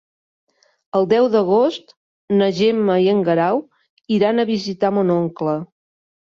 El deu d'agost na Gemma i en Guerau iran a visitar mon oncle.